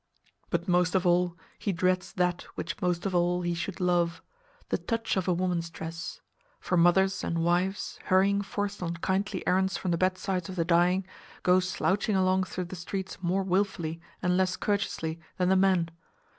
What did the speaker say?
But most of all, he dreads that which most of all he should love—the touch of a woman's dress; for mothers and wives, hurrying forth on kindly errands from the bedsides of the dying, go slouching along through the streets more wilfully and less courteously than the men.